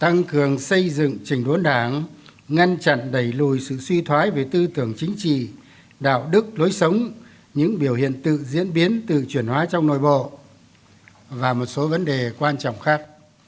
tăng cường xây dựng trình đốn đảng ngăn chặn đẩy lùi sự suy thoái về tư tưởng chính trị đạo đức lối sống những biểu hiện tự diễn biến tự chuyển hóa trong nội bộ và một số vấn đề quan trọng khác